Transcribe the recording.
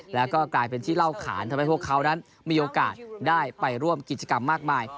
แล้วก็กลายเป็นที่เล่าขานทำให้พวกเขานั้นมีโอกาสได้ไปร่วมกิจกรรมมากมาย